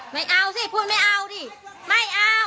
ไม่เอาสิพูดไม่เอาดิไม่เอา